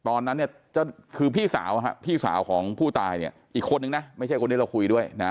ตอนนั้นเนี่ยก็คือพี่สาวพี่สาวของผู้ตายเนี่ยอีกคนนึงนะไม่ใช่คนที่เราคุยด้วยนะ